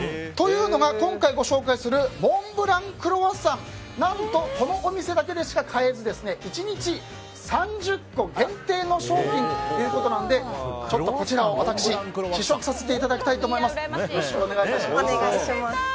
今回ご紹介するモンブランクロワッサン何と、このお店だけでしか買えず１日３０個限定の商品ということなのでちょっと私、試食をさせていただきたいと思います。